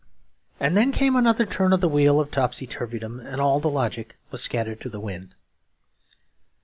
And then came another turn of the wheel of topsy turvydom, and all the logic was scattered to the wind.